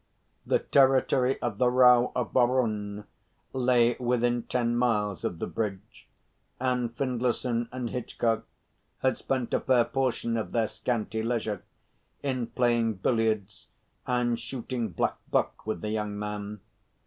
The territory of the Rao of Baraon lay within ten miles of the bridge; and Findlayson and Hitchcock had spent a fair portion of their scanty leisure in playing billiards and shooting blackbuck with the young man.